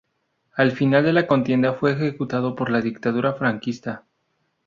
Al final de la contienda fue ejecutado por la Dictadura franquista.